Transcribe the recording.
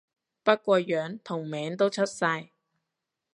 不過樣同名都出晒